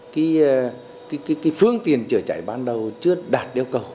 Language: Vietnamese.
cái phương tiền chở chảy ban đầu chưa đạt yêu cầu